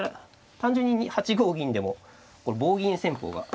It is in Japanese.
単純に８五銀でも棒銀戦法が。